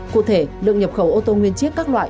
cụ thể lượng nhập khẩu ô tô nguyên chiếc các loại